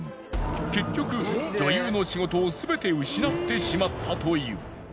結局女優の仕事をすべて失ってしまったという。